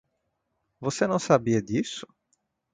Você não sabia disso?